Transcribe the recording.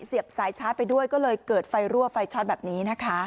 เสียบสายชาร์จไปด้วยก็เลยเกิดไฟรั่วไฟช็อตแบบนี้นะคะ